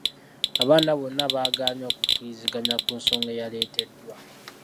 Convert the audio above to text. Abaana bonna baagaanye okukkiriziganya ku nsonga eyaleeteddwa.